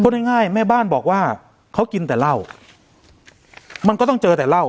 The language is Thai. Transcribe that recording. ง่ายแม่บ้านบอกว่าเขากินแต่เหล้ามันก็ต้องเจอแต่เหล้า